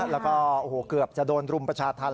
แล้วก็โอ้โหเกือบจะโดนรุมประชาธารณ์